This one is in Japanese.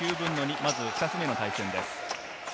まず２つ目の対戦です。